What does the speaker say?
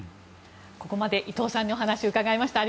ここまで伊藤さんにお話を伺いました。